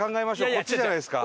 こっちじゃないですか？